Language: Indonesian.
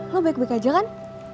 lo baik baik aja kan